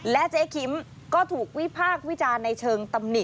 และเจ๊คิมก็ถูกวิพากษ์วิจารณ์ในเชิงตำหนิ